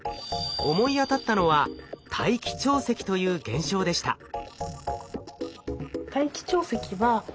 思い当たったのは大気潮汐という現象でした。